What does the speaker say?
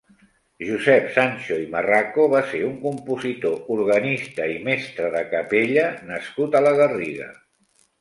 Josep Sancho i Marraco va ser un compositor, organista i mestre de capella nascut a la Garriga.